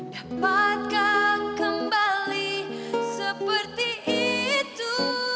dapatkah kembali seperti itu